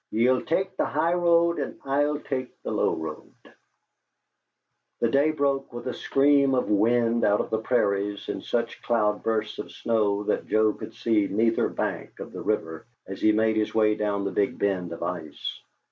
VI YE'LL TAK' THE HIGH ROAD AND I'LL TAK' THE LOW ROAD The day broke with a scream of wind out of the prairies and such cloudbursts of snow that Joe could see neither bank of the river as he made his way down the big bend of ice.